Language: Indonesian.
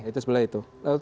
itu sebelah itu